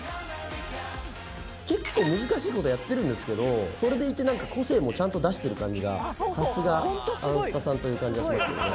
結構難しい事やってるんですけどそれでいてなんか個性もちゃんと出してる感じがさすが『あんスタ』さんという感じがしますよね。